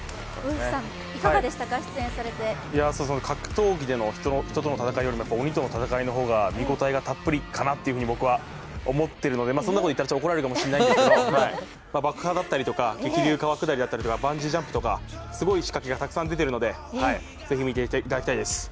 格闘技での人との戦いより鬼との戦いの方が見応えがたっぷりかなと僕は思っているので、そんなこと言ったら怒られるかも分からないけれども、爆破だったり激流川下りやバンジージャンプとかすごい仕掛けがたくさん出ているので、ぜひ見ていただきたいです。